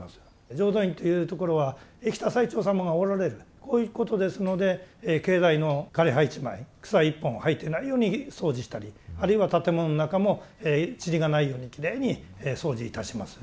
浄土院というところは生きた最澄様がおられるこういうことですので境内の枯れ葉一枚草一本生えてないように掃除したりあるいは建物の中もちりがないようにきれいに掃除いたします。